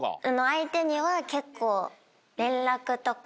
相手には結構連絡とか。